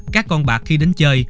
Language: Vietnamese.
các con bạc khi đến chơi